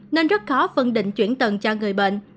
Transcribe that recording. nên rất khó phân định chuyển tầng cho người bệnh